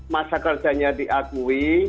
masa kerjanya diakui